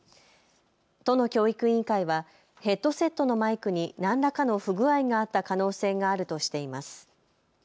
都の教育委員会はヘッドセットのマイクに何らかの不具合があった可能性があるとしています。